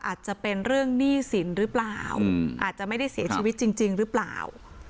อาจจะเป็นเรื่องหนี้สินหรือเปล่าอาจจะไม่ได้เสียชีวิตจริงหรือเปล่า